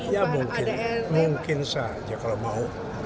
ya mungkin mungkin saja kalau mau